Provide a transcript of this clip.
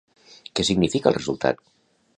Què significa el resultat?